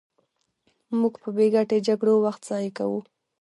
موږ په بې ګټې جګړو وخت ضایع کوو.